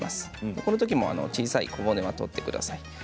このときも小さい小骨は取ってください。